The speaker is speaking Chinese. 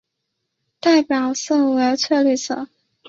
代表色为翠绿色。